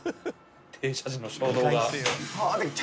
停車時の衝動が。